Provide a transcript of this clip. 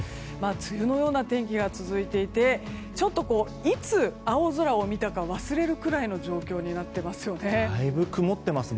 梅雨のような天気が続いていてちょっといつ青空を見たか忘れるくらいの状況になっていますね。